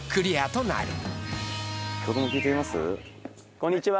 こんにちは。